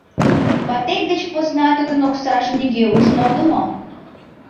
— Ватет деч посна тудын оксажым нигӧ ужын огыл мо?